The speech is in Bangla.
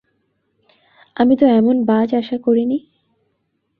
আমি তো এমন বায আশা করিনি।